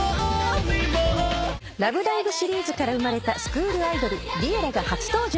『ラブライブ！』シリーズから生まれたスクールアイドルＬｉｅｌｌａ！が初登場。